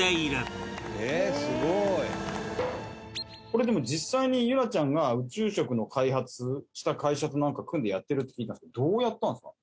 これでも実際に結桜ちゃんが宇宙食の開発した会社となんか組んでやってるって聞いたんですけどどうやったんですか？